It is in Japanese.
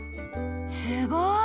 すごい！